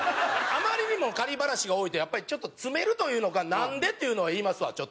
あまりにもバラシが多いとやっぱり詰めるというのか「なんで？」っていうのは言いますわちょっと。